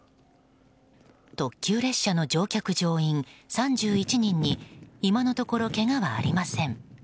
特急列車の乗客・乗員３１人に今のところけがはありません。